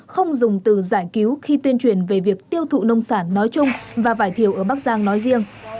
không dùng từ giải cứu khi tuyên truyền về việc tiêu thụ nông sản nói chung và vải thiều ở bắc giang nói riêng